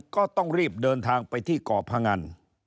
ก็ต้องรีบเดินทางไปที่เกาะพงัน